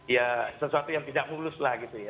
ya sesuatu yang tidak mulus lah gitu ya